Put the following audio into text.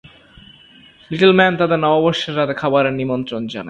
Little man তাদের নববর্ষের রাতে খাবারের নিমন্ত্রণ জানায়।